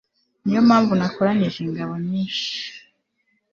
ni yo mpamvu nakoranyije ingabo nyinshi